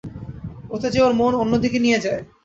ওতে যে ওর মন অন্য দিকে নিয়ে যায়।